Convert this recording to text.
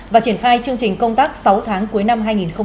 và triển khai chương trình công tác sáu tháng cuối năm hai nghìn hai mươi